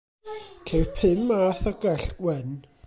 Ceir pum math o gell wen.